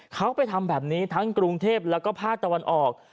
เขาไปทำแบบนี้ทั้งกรุงเทพแล้วก็ภาคตะวันออก